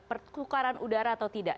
perkukaran udara atau tidak